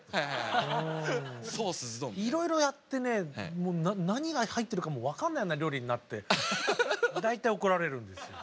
いろいろやってね何が入ってるかもう分かんないような料理になって大体怒られるんですよ。